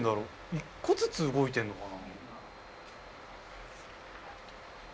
１個ずつ動いてんのかな？